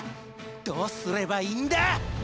どうすればいいんだ！